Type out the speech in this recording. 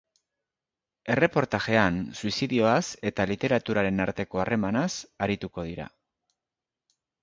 Erreportajean, suizidioaz eta literaturaren arteko harremanaz arituko dira.